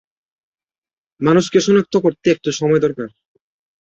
মানুষকে শনাক্ত করতে একটু সময় দরকার।